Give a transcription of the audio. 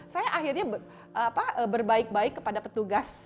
saya akhirnya berbaik baik kepada petugas